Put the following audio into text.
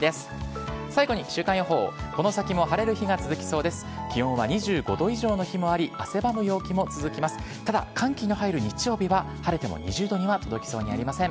ただ、寒気の入る日曜日は、晴れても２０度には届きそうにありません。